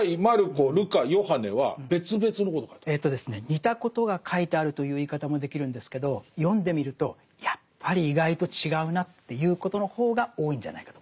似たことが書いてあるという言い方もできるんですけど読んでみるとやっぱり意外と違うなっていうことの方が多いんじゃないかと思います。